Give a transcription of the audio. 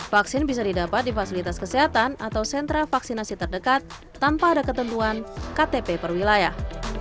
vaksin bisa didapat di fasilitas kesehatan atau sentra vaksinasi terdekat tanpa ada ketentuan ktp per wilayah